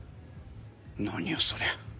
何よそれ。